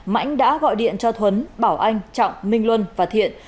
mãnh đã gọi điện cho thuấn bảo anh trọng minh luân và thiện